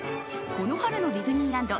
この春のディズニーランド